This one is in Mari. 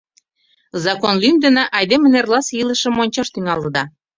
Закон лӱм дене айдемын эрласе илышыжым ончаш тӱҥалыда.